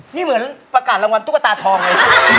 นี่เหมือนประกาศรางวัลตุ๊กตาทองเลย